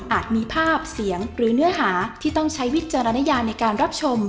มีภาพเสียงหรือเนื้อหาที่ต้องใช้วิจารณญาในการรับชม